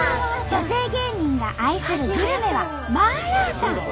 女性芸人が愛するグルメはマーラータン。